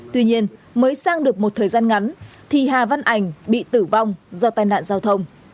tuy nhiên mới sang được một thời gian ngắn thì hà văn ảnh bị tử vong do tai nạn giao thông